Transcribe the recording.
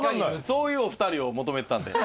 そういうお二人を求めてたんで。